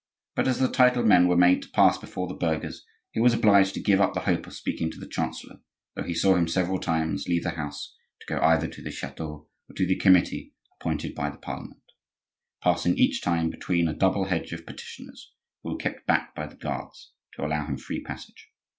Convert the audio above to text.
But as the titled men were made to pass before the burghers, he was obliged to give up the hope of speaking to the chancellor, though he saw him several times leave the house to go either to the chateau or to the committee appointed by the Parliament,—passing each time between a double hedge of petitioners who were kept back by the guards to allow him free passage.